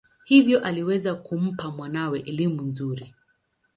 Hivyo aliweza kumpa mwanawe elimu nzuri.